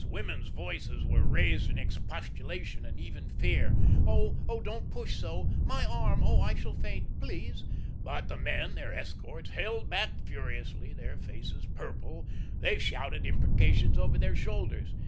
Women's voices were raised in expostulation, and even fear. "Oh, oh don't push so!" "My arm! oh! oh, I shall faint ... please." But the men, their escorts, held back furiously; their faces purple, they shouted imprecations over their shoulders.